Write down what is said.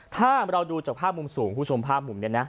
ถ้าเราดูจากภาพมุมสูงคุณผู้ชมภาพมุมนี้นะ